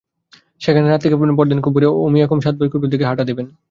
সেখানে রাতে থেকে পরদিন খুব ভোরে অমিয়াখুম আর সাতভাইখুমের দিকে হাঁটা দেবেন।